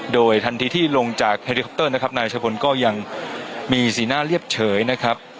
โดยทันทีที่ลงจากเฮลิคอปเตอร์นะครับนายชะพลก็ยังมีสีหน้าเรียบเฉยนะครับ